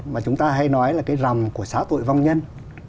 mà chúng ta hay nói là cái rằm của xá tội vong nhân